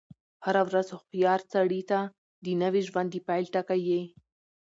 هره ورځ هوښیار سړي ته د نوی ژوند د پيل ټکی يي.